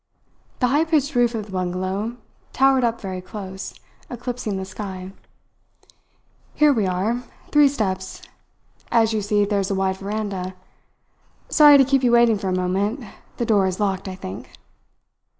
The high pitched roof of the bungalow towered up very close, eclipsing the sky. "Here we are. Three steps. As you see, there's a wide veranda. Sorry to keep you waiting for a moment; the door is locked, I think."